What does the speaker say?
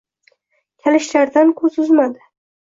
Kalishlaridan ko‘z uzmadi.